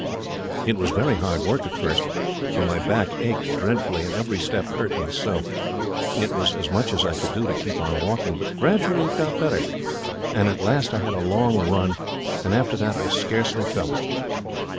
It was very hard work at first, for my back ached dreadfully, and every step hurt me so, it was as much as I could do to keep on walking; but gradually it got better, and at last I had a long run, and after that I scarcely felt it.